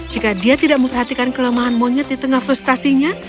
jika dia tidak memperhatikan kelemahan monyet di tengah frustasinya